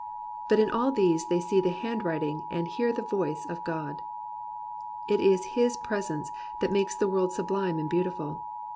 But in all these they see the hand writing and hear the voice of God. It is His pres ence that makes the world sublime and beautiful.